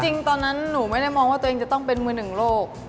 จริงตอนนั้นหนูไม่ได้มองว่าตัวเองจะต้องเป็นมือหนึ่งโลก